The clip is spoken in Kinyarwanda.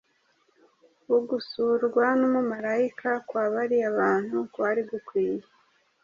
Ugusurwa n’umumarayika kwa bariya bantu kwari gukwiye